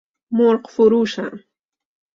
مرغ فروشم